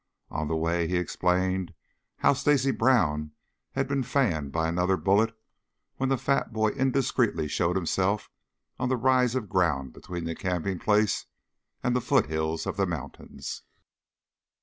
On the way he explained bow Stacy Brown had been fanned by another bullet when the fat boy indiscreetly showed himself on the rise of ground between the camping place and the foothills of the mountains.